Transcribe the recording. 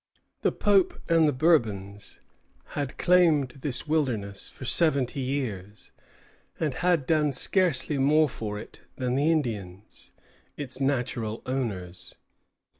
The Pope and the Bourbons had claimed this wilderness for seventy years, and had done scarcely more for it than the Indians, its natural owners.